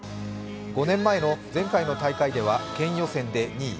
５年前の前回の大会では県予選で２位。